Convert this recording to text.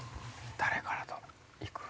誰から行く？